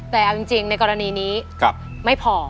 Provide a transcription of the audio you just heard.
แต่เอาจริงในกรณีนี้ไม่พอ